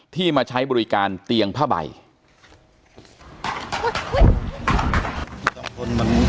ที่มาใช้บริการเตียงผ้าใบอุ๊ย